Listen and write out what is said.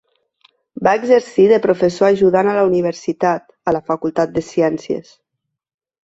Va exercir de professor ajudant a la Universitat, a la Facultat de Ciències.